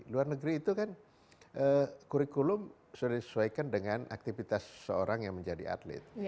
karena kan kurikulum sudah disesuaikan dengan aktivitas seseorang yang menjadi atlet